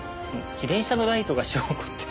自転車のライトが証拠って。